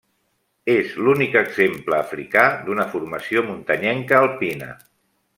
És l'únic exemple africà d'una formació muntanyenca alpina.